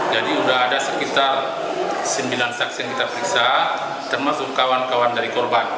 jadi sudah ada sekitar sembilan saksi yang kita periksa termasuk kawan kawan dari korban